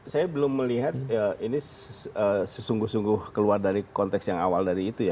saya belum melihat ini sesungguh sungguh keluar dari konteks yang awal dari itu ya